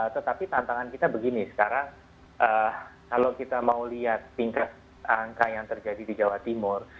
tetapi tantangan kita begini sekarang kalau kita mau lihat tingkat angka yang terjadi di jawa timur